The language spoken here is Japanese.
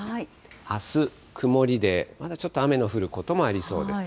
あす、曇りで、まだちょっと雨の降ることもありそうです。